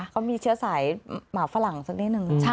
เขามีเชื้อสายหมาฝรั่งสักนิดนึง